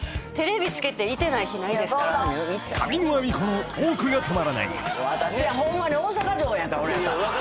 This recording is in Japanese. ［上沼恵美子のトークが止まらない］